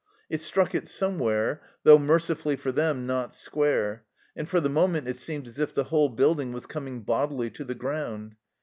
It struck it somewhere, though, mercifully for them, not square, and for the moment it seemed as if the whole building was coming bodily to the ground.